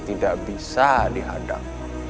kita tidak bisa dihadap